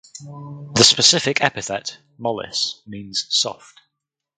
The specific epithet ("mollis") means "soft".